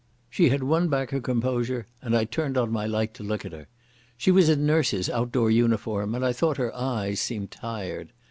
She had won back her composure, and I turned on my light to look at her. She was in nurses' outdoor uniform, and I thought her eyes seemed tired.